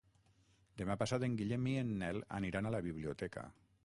Demà passat en Guillem i en Nel aniran a la biblioteca.